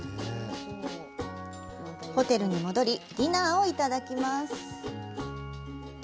ホテルに戻りディナーをいただきます。